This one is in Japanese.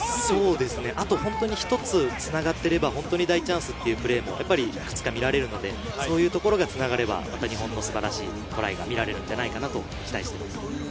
あと一つ繋がっていればほんとに大チャンスというプレーもいくつか見られるので、そういうところがつながれば、日本の素晴らしいトライが見られるんじゃないかなと期待しています。